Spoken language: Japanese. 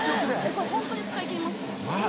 「これホントに使いきりますよ」